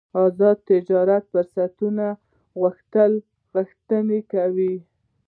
ازادو تجارتي فرصتونو غوښتنه کوله.